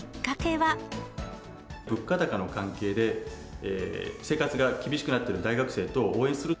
物価高の関係で、生活が厳しくなっている大学生等を応援する。